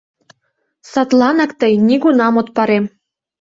— Садланак тый нигунам от парем.